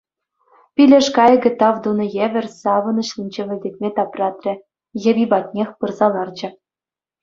Пилеш кайӑкӗ тав тунӑ евӗр савӑнӑҫлӑн чӗвӗлтетме тапратрӗ, йӑви патнех пырса ларчӗ.